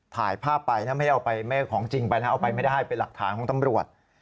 ถ่ายภาพไปนะไม่ได้เอาไปเมฆของจริงไปนะเอาไปไม่ได้เป็นหลักฐานของตำรวจ